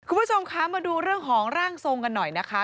คุณผู้ชมคะมาดูเรื่องของร่างทรงกันหน่อยนะคะ